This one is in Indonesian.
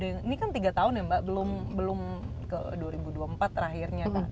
ini kan tiga tahun ya mbak belum ke dua ribu dua puluh empat terakhirnya